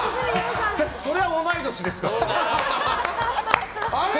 それは同い年ですから！